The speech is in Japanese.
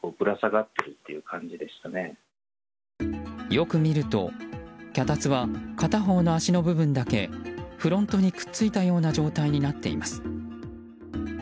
よく見ると、脚立は片方の脚の部分だけフロントにくっついたような状態になっています。